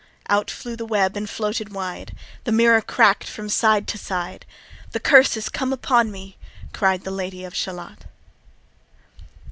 Out flew the web and floated wide; The mirror crack'd from side to side; "The curse is come upon me," cried The Lady of Shalott.